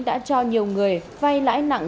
đã cho nhiều người vai lãi nặng